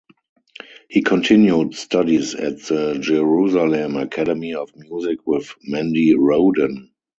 He continued studies at the Jerusalem Academy of Music with Mendi Rodan.